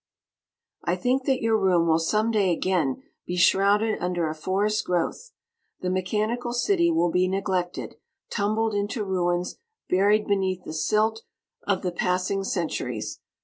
I think that your room will some day again be shrouded under a forest growth. The mechanical city will be neglected, tumbled into ruins, buried beneath the silt of the passing centuries.